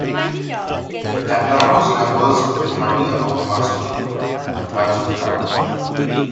Kapranos conversed with Hardy about mastering the bass guitar.